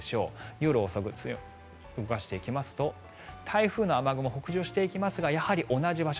夜遅く、動かしていきますと台風の雨雲、北上していきますがやはり同じ場所